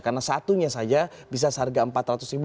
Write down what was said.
karena satunya saja bisa seharga rp empat ratus